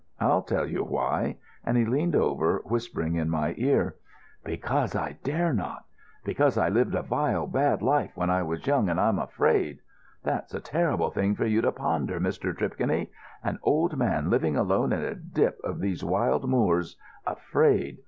I'll tell you why," and he leaned over, whispering in my ear: "Because I dare not. Because I lived a vile, bad life when I was young, and I'm afraid. That's a terrible thing for you to ponder, Mr. Tripconey—an old man living alone in a dip of these wild moors—afraid.